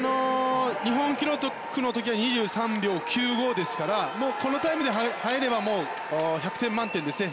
日本記録の時は２３秒９５ですからこのタイムで入れば１００点満点ですね。